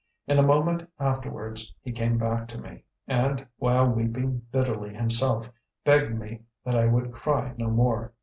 In a moment afterwards he came back to me, and, while weeping bitterly himself, begged me that I would cry no more.